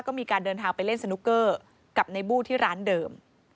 ก็มีการเดินทางไปเล่นสนุกเกอร์กับในบู้ที่ร้านเดิม